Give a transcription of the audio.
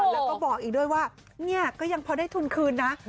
แล้วก็บอกอีกด้วยว่าเนี่ยก็ยังพอได้ทุนคืนนะ